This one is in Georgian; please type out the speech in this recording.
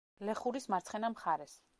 ლეხურის მარცხენა მხარეს.